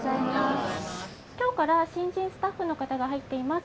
きょうから新人スタッフのかたが入っています。